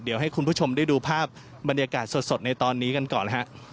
เดี๋ยวให้คุณผู้ชมได้ดูภาพบรรยากาศสดในตอนนี้กันก่อนฮะ